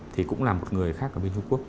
thì cũng là một người khác ở bên trung quốc